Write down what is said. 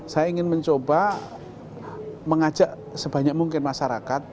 saya ingin mencoba mengajak sebanyak mungkin masyarakat